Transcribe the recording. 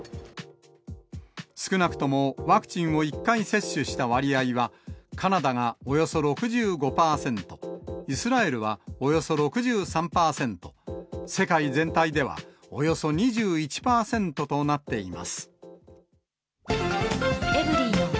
少なくともワクチンを１回接種した割合は、カナダがおよそ６５％、イスラエルはおよそ６３％、世界全体ではおよそ２１％となっています。